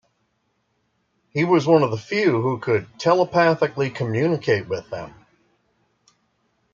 He was one of the few who could telepathically communicate with them.